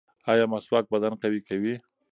ایا مسواک بدن قوي کوي؟